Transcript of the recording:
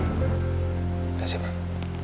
terima kasih pak